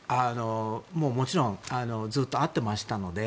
もちろんずっと会っていましたので。